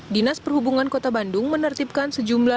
dinas perhubungan kota bandung menertibkan sejumlah